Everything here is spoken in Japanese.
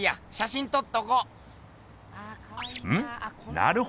なるほど。